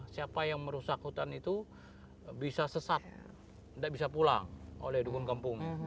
siapa yang merusak hutan itu bisa sesat tidak bisa pulang oleh dukun kampung